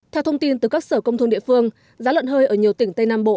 theo thông tin từ các sở công thương địa phương giá lợn hơi ở nhiều tỉnh tây nam bộ